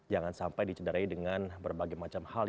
jangan sampai dicenderai dengan berbagai macam hal ya